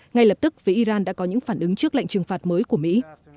ngay lập tức vì iran đã có những phản ứng trước lệnh trừng phạt mới của mỹ